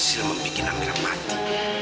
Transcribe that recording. saya tidak mungkin melakukan itu